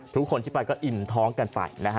ทุกคนที่ไปก็อิ่มท้องกันไปนะฮะ